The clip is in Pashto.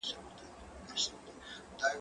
کتابتون د مور له خوا پاکيږي؟